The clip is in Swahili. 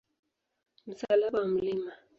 Msalaba wa Mt.